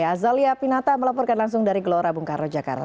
azalia pinata melaporkan langsung dari gelora bungkaro jakarta